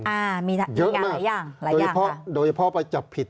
มีอย่างหลายอย่างค่ะเยอะมากโดยเฉพาะไปจับผิด